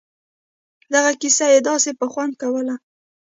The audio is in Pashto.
دغه کيسه يې داسې په خوند کوله.